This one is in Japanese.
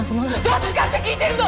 どっちかって聞いてるの！